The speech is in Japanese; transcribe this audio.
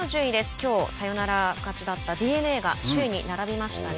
きょう、サヨナラ勝ちだったＤｅＮＡが首位に並びましたね。